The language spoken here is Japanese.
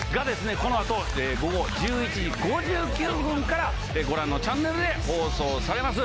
このあと午後１１時５９分からご覧のチャンネルで放送されます。